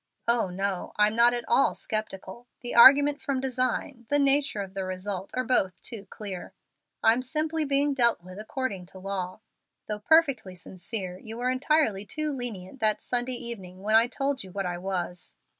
"Oh no, I'm not at all sceptical. The 'argument from design,' the nature of the result, are both too clear. I'm simply being dealt with according to law. Though perfectly sincere, you were entirely too lenient that Sunday evening when I told you what I was.